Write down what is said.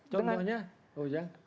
contohnya pak ujang